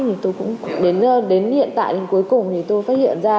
thì tôi cũng đến hiện tại đến cuối cùng thì tôi phát hiện ra